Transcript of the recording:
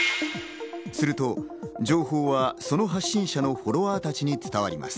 すると、情報はその発信者のフォロワーたちに伝わります。